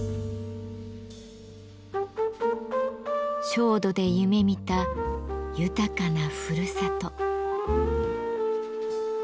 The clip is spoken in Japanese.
焦土で夢みた豊かなふるさと。